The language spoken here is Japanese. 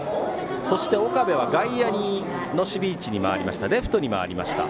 岡部は外野の守備位置に回りました。